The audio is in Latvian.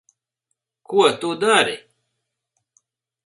Ko tu dari?